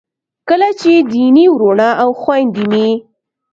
کله چې دیني وروڼه او خویندې مې